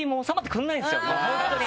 本当に！